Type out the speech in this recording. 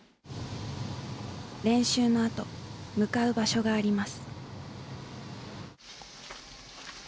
練習のあと向かう場所があります。